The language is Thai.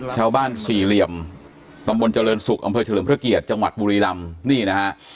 ชาวบ้านสี่เหลี่ยมตำบลเจริญศุกร์อำเภอเจริญพระเกียรติจังหวัดบุรีลำ